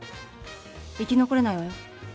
生き残れないわよ。